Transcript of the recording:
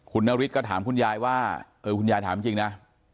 คุณนฤทธิ์ก็ถามคุณยายว่าเออคุณยายถามจริงนะ